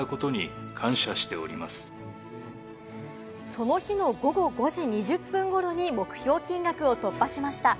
その日の午後５時２０分ごろに目標金額を突破しました。